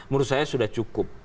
menurut saya sudah cukup